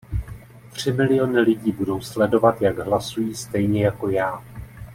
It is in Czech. Tři miliony lidí budou sledovat, jak hlasují, stejně jako já.